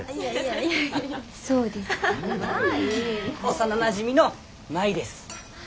幼なじみの舞です。